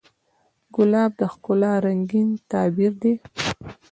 ګلاب د ښکلا رنګین تعبیر دی.